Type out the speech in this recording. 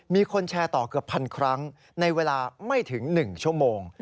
มีคนแชร์ต่อเกือบพันครั้งในเวลาไม่ถึง๑ชั่วโมง